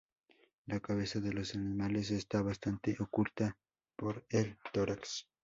La cabeza de los animales está bastante oculta por el tórax.